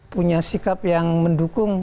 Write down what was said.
punya sikap yang mendukung